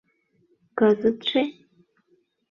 — Кызытше...